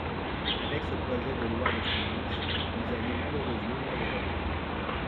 Avec ce projet de loi de finances, vous allez malheureusement l’aggraver.